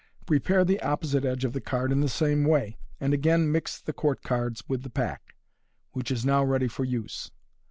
Prepare the opposite edge of the card in the same way, and again mix the court cards with the pack, which is now ready for use.